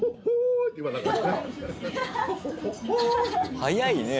早いねえ。